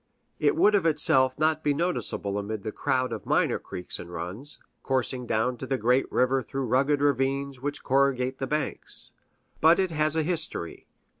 It would of itself not be noticeable amid the crowd of minor creeks and runs, coursing down to the great river through rugged ravines which corrugate the banks. But it has a history.